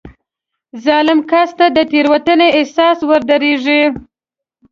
ظالم کس ته د تېروتنې احساس ودرېږي.